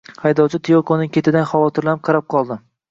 Haydovchi Tiyokoning ketidan havotirlanib qarab qoldi